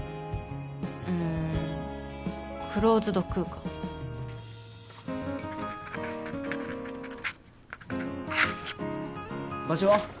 うんクローズド空間場所は？